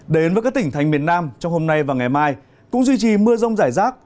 đến với các tỉnh thành miền nam trong hôm nay và ngày mai cũng duy trì mưa rông rải rác